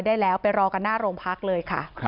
ได้แล้วไปรอกันหน้าโรงพักเลยค่ะ